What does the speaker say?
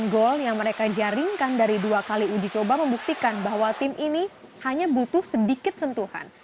enam gol yang mereka jaringkan dari dua kali uji coba membuktikan bahwa tim ini hanya butuh sedikit sentuhan